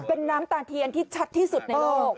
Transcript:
เป็นน้ำตาเทียนที่ชัดที่สุดในโลก